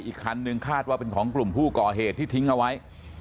อีกคันนึงคาดว่าเป็นของกลุ่มผู้ก่อเหตุที่ทิ้งเอาไว้